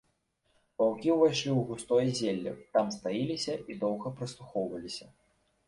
Ваўкі ўвайшлі ў густое зелле, там стаіліся і доўга прыслухоўваліся.